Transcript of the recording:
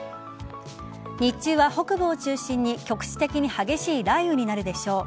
日中は北部を中心に局地的に激しい雷雨になるでしょう。